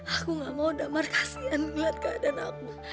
aku gak mau damar kasian liat keadaan aku